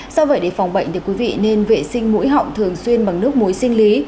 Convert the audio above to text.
do vậy để phòng bệnh thì quý vị nên vệ sinh mũi họng thường xuyên bằng nước muối sinh lý